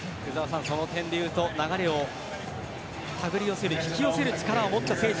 その点でいうと流れをたぐり寄せる引き寄せる力を持った選手